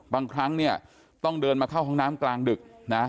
บางครั้งเนี่ยต้องเดินมาเข้าห้องน้ำกลางดึกนะ